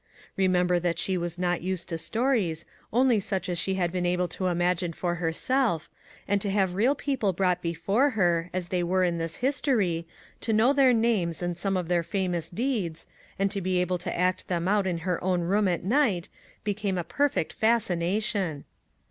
Remember that she was not used to stories, only such as she had been able to imagine for herself, and to have real people brought before her, as they were in this history, to know their names and some of their famous deeds, and to be able to act them out in her own room at night, became a perfect fascination.